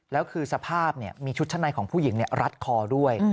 แล้วคือสภาพมีชุดชั้นในของผู้หญิงรัดคอด้วย